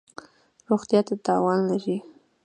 روغتیا ته تاوان لری